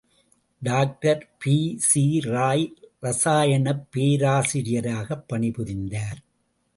Doctor B C Roy ரசாயனப் பேராசிரியராகப் பணிபுரிந்தார்.